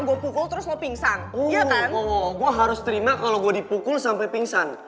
gue harus terima kalau gue dipukul sampai pingsan